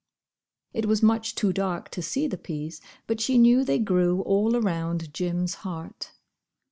It was much too dark to see the peas, but she knew they grew all around Jim's heart.